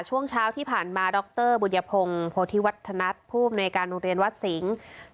ช่วงเช้าที่ผ่านมาดรบุญพงศ์โพธิวัฒนัทผู้อำนวยการโรงเรียนวัดสิงศ์